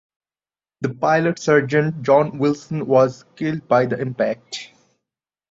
The pilot Sergeant John Wilson was killed by the impact.